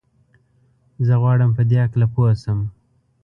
زه غواړم په دي هکله پوه سم.